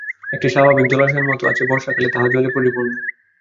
একটি স্বাভাবিক জলাশয়ের মতো আছে, বর্ষাকালে তাহা জলে পরিপূর্ণ।